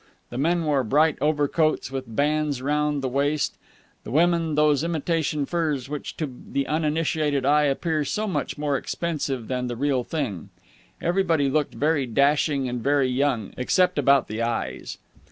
The men wore bright overcoats with bands round the waist, the women those imitation furs which to the uninitiated eye appear so much more expensive than the real thing. Everybody looked very dashing and very young, except about the eyes.